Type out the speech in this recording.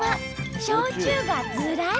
焼酎がずらり！